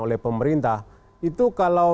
oleh pemerintah itu kalau